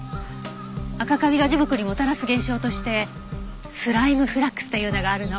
アカカビが樹木にもたらす現象としてスライム・フラックスというのがあるの。